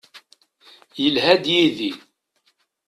Yelha-d yid-i.